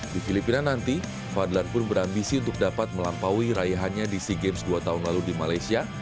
di filipina nanti fadlan pun berambisi untuk dapat melampaui raihannya di sea games dua tahun lalu di malaysia